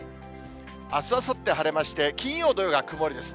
あす、あさって晴れまして、金曜、土曜が曇りです。